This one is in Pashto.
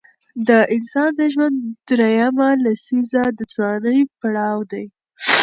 د انسان د ژوند دریمه لسیزه د ځوانۍ پړاو دی.